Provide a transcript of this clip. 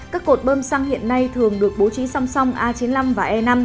các cột bơm xăng hiện nay thường được bố trí song song a chín mươi năm và e năm